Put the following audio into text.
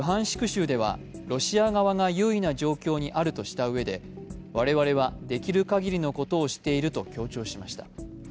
州ではロシア側が優位な状況にあるとしたうえでわれわれは、できるかぎりのことをしていると強調しました。